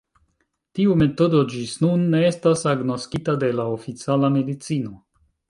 Tiu metodo ĝis nun ne estas agnoskita de la oficiala medicino!